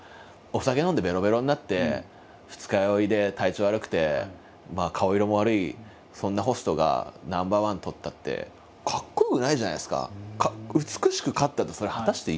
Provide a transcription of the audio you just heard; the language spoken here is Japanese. お酒飲んでベロベロになって二日酔いで体調悪くて顔色も悪いそんなホストがナンバーワンとったってかっこよくないじゃないですか。